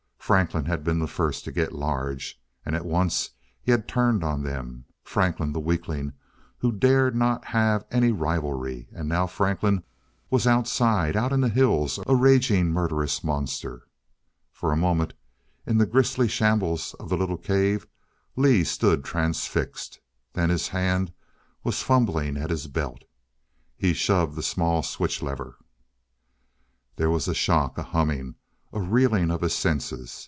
Franklin had been the first to get large. And at once he had turned on them. Franklin, the weakling who dared not have any rivalry! And now Franklin was outside, out in the hills, a raging, murderous monster. For a moment, in the grisly shambles of the little cave Lee stood transfixed. Then his hand was fumbling at his belt. He shoved the small switch lever. There was a shock a humming a reeling of his senses.